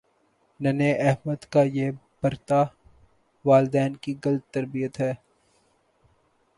ننھے احمد کا یہ برتا والدین کی غلط تربیت ہے